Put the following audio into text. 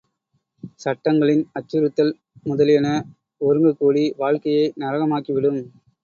சட்டங்களின் அச்சுறுத்தல் முதலியன ஒருங்குகூடி வாழ்க்கையை நரகமாக்கிவிடும்.